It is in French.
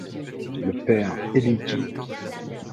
Le père Elie-J.